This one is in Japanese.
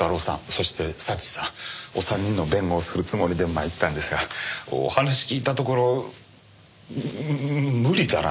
そして祥さんお三人の弁護をするつもりで参ったんですがお話聞いたところむ無理だな。